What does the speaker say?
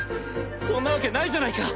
そんなわけないじゃないか！